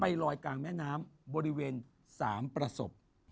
ลอยกลางแม่น้ำบริเวณ๓ประสบ